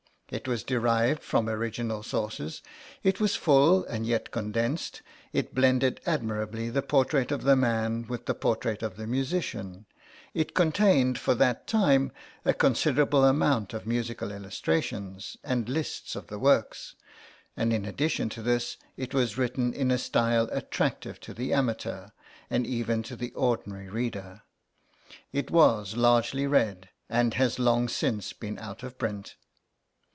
It was derived from original sources, it was full and yet condensed, it blended admirably the portrait of the man with the portrait of the musician, it contained for that time a considerable amount of musical illustrations, and lists of the works; and in addition to this it was written in a style attractive to the amateur, and even to the ordinary reader. It was largely read, and has long since been out of print.